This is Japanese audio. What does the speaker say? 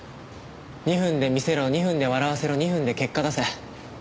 ２分で見せろ２分で笑わせろ２分で結果出せ。